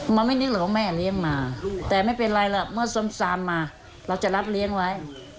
มันไม่นึกหรอกว่าแม่เลี้ยงมาแต่ไม่เป็นไรล่ะเมื่อสมซามมาเราจะรับเลี้ยงไว้